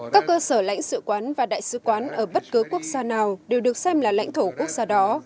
các cơ sở lãnh sự quán và đại sứ quán ở bất cứ quốc gia nào đều được xem là lãnh thổ quốc gia đó